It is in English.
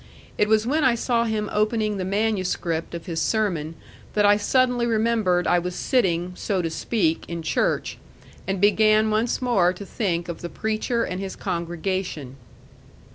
It was when I saw him opening the manuscript of his sermon that I suddenly remembered I was sitting, so to speak, in church, and began once more to think of the preacher and his congregation.